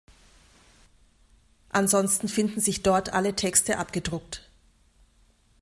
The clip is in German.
Ansonsten finden sich dort alle Texte abgedruckt.